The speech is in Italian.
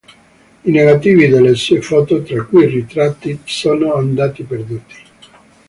I negativi delle sue foto, tra cui ritratti, sono andati perduti.